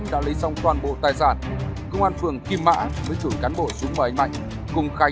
để không bỏ lỡ những video hấp dẫn